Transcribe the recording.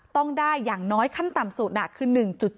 ต้องได้อย่างน้อยขั้นต่ำสุดคือ๑๗